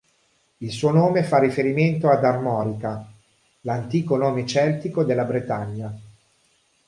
Il suo nome fa riferimento ad Armorica, l'antico nome celtico della Bretagna.